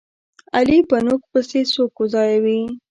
علي په نوک پسې سوک ځایوي.